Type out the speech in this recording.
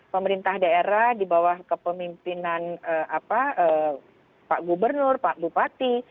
pemerintah daerah di bawah kepemimpinan pak gubernur pak bupati